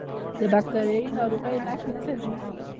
د باکتریایي ناروغیو نښې څه دي؟